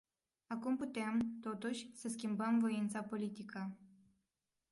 Acum putem, totuși, să schimbăm voința politică.